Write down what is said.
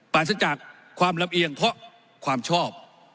ปราศจากความลำเอียงเพราะความชอบ